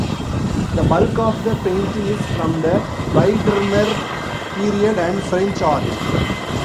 The bulk of the painting is from the Biedermeier period and French art.